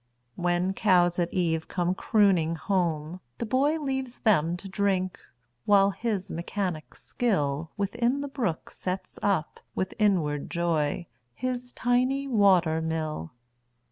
When cows at eve come crooning home, the boyLeaves them to drink, while his mechanic skillWithin the brook sets up, with inward joy, His tiny water mill.